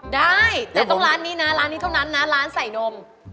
ได้แต่ต้องร้านนี้นะร้านนี้เท่านั้นนะร้านใส่นม